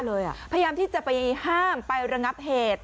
พยายามที่จะไปห้ามไประงับเหตุ